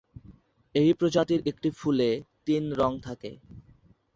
এই প্রজাতির একটি ফুলে তিন রং থাকে।